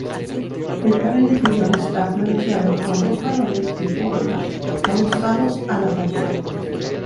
El panel inferior está flanqueado por dos faroles de forja adosados a la fachada.